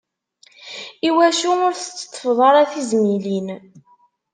Iwacu ur tetteṭṭfeḍ ara tizmilin?